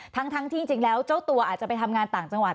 ทั้งที่จริงแล้วเจ้าตัวอาจจะไปทำงานต่างจังหวัด